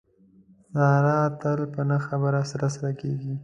ساره تل په نه خبره سره سره کېږي.